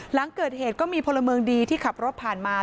หลังเกิดเหตุก็มีพลเมืองดีที่ขับรถผ่านมา